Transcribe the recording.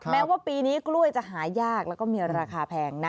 แม้ว่าปีนี้กล้วยจะหายากแล้วก็มีราคาแพงนะ